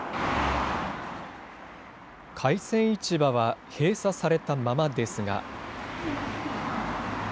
海鮮市場は閉鎖されたままですが。